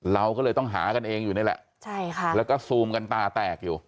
เราก็เลยต้องหากันเองอยู่นี่แหละใช่ค่ะแล้วก็ซูมกันตาแตกอยู่